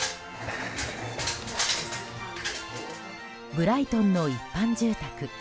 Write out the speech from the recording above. ブライトンの一般住宅。